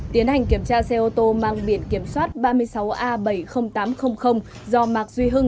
tiến hành kiểm tra xe ô tô mang biển kiểm soát ba mươi sáu a bảy mươi nghìn tám trăm linh do mạc duy hưng